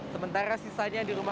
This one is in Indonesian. sementara sisanya di rumah